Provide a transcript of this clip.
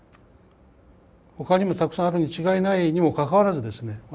ほかにもたくさんあるに違いないにもかかわらずですね